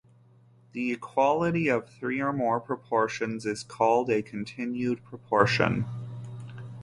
The equality of three or more proportions is called a continued proportion.